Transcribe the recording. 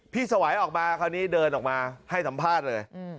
สวัยออกมาคราวนี้เดินออกมาให้สัมภาษณ์เลย